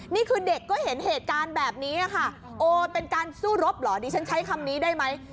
นี่คือเด็กก็เห็นเหตุการณ์แบบนี้ค่ะโอ้เป็นการสู้รบเหรอดิฉันใช้คำนี้ได้ไหม